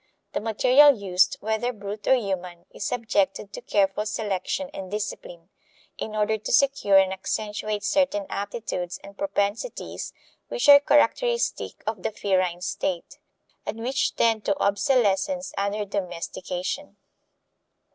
The material used, whether brute or human, is subjected to careful selection and discipline, in order to secure and accentuate certain aptitudes and propensities which are characteristic of the ferine state, and which tend to obsolescence under domestication.